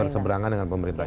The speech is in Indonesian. berseberangan dengan pemerintah